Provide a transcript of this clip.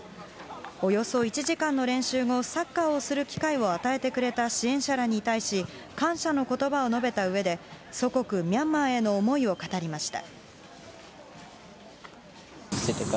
およそ１時間の練習後、サッカーをする機会を与えてくれた支援者らに対し、感謝のことばを述べたうえで、祖国、ミャンマーへの思いを語りました。